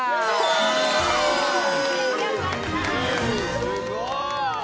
すごい。